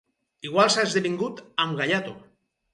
Igual s’ha esdevingut amb "gaiato".